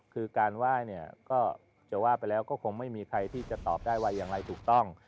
คือการไหว้เนี่ยก็จะว่าไปแล้วก็คงไม่มีใครที่จะตอบได้ว่าอย่างไรถูกต้อง